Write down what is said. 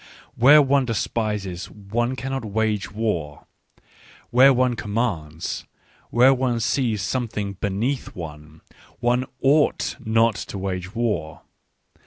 Where one despises one cannot wage war. Where one commands, where one sees something beneath one, oneifigtf/nottowage war.